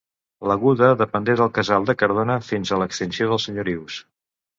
L'Aguda depengué del casal de Cardona fins a l'extinció dels senyorius.